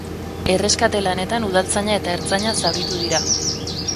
Erreskate lanetan udaltzaina eta ertzaina zauritu dira.